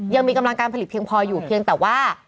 ยังมีกำลังการผลิตเพียงพออยู่เพียงแต่ว่า